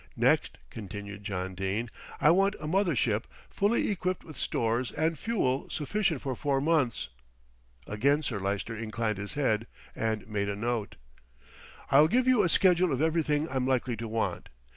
"Next," continued John Dene, "I want a mothership fully equipped with stores and fuel sufficient for four months." Again Sir Lyster inclined his head and made a note. "I'll give you a schedule of everything I'm likely to want.